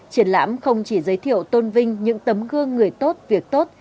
triển lãm không chỉ giới thiệu tôn vinh những tấm gương người tốt việc tốt